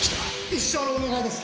一生のお願いです！